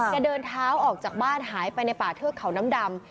เดินเท้าออกจากบ้านหายไปในป่าเทือกเขาน้ำดำ